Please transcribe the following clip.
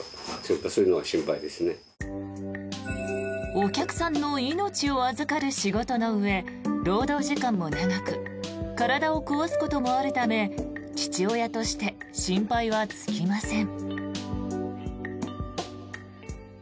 お客さんの命を預かる仕事のうえ労働時間も長く体を壊すこともあるため父親として心配は尽きません。